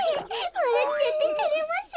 わらっちゃっててれますよ。